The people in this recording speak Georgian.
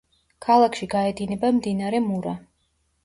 ქალაქში გაედინება მდინარე მურა.